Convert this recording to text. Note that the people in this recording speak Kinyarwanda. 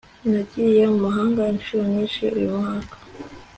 nagiye mu mahanga inshuro nyinshi uyu mwaka